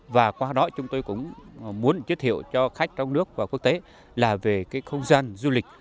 và qua đó chúng tôi cũng muốn giới thiệu cho khách trong nước và quốc tế là về cái không gian du lịch